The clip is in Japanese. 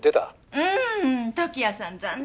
うん時矢さん残念！